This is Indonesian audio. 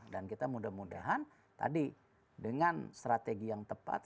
dan kita mudah mudahan tadi dengan strategi yang tepat